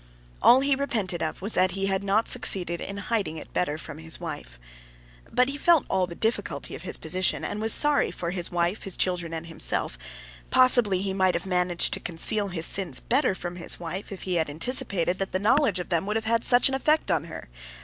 All he repented of was that he had not succeeded better in hiding it from his wife. But he felt all the difficulty of his position and was sorry for his wife, his children, and himself. Possibly he might have managed to conceal his sins better from his wife if he had anticipated that the knowledge of them would have had such an effect on her.